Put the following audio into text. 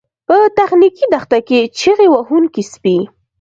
په تخنیکي دښته کې چیغې وهونکي سپي